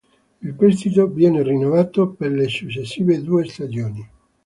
Il prestito viene rinnovato per le successive due stagioni.